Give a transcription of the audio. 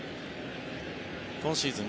今シーズン